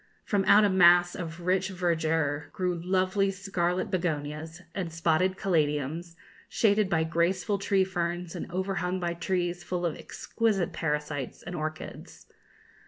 From out a mass of rich verdure grew lovely scarlet begonias, and spotted caladiums, shaded by graceful tree ferns and overhung by trees full of exquisite parasites and orchids.